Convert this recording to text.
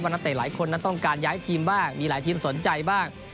นักเตะหลายคนนั้นต้องการย้ายทีมบ้างมีหลายทีมสนใจบ้าง